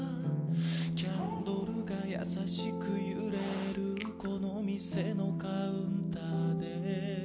キャンドルが優しく揺れるこの店のカウンターで